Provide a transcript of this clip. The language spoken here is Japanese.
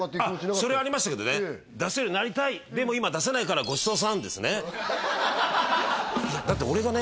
それありましたけどね出せるようになりたいでも今出せないからだって俺がね